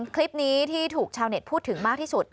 คลิปนี้ที่ถูกชาวเน็ตพูดถึงมากที่สุด